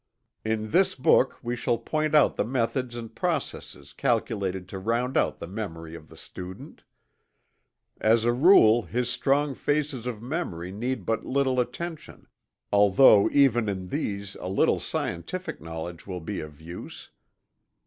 In this book we shall point out the methods and processes calculated to round out the memory of the student. As a rule his strong phases of memory need but little attention, although even in these a little scientific knowledge will be of use.